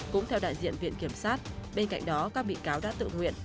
cũng theo đại diện viện kiểm sát bên cạnh đó các bị cáo đã tự nguyện